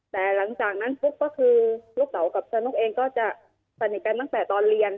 แต่หลังจากนั้นปุ๊บก็คือลูกเต๋ากับสนุกเองก็จะสนิทกันตั้งแต่ตอนเรียน